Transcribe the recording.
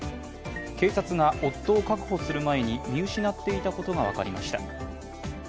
警察が夫を確保する前に見失っていたことが分かりました。